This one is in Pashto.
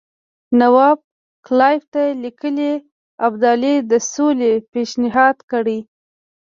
نواب کلایف ته لیکلي ابدالي د سولې پېشنهاد کړی.